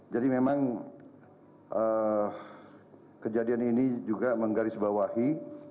jadi memang kejadian ini juga menggarisbawahi